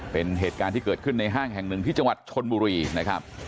เป็นเหตุการณ์ที่เกิดขึ้นในห้างแห่งหนึ่งที่จังหวัดชนบุรีนะครับ